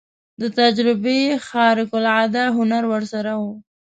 د تجربې خارق العاده هنر ورسره و.